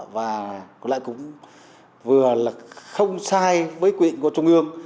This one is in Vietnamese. và lại cũng vừa là không sai với quy định của trung ương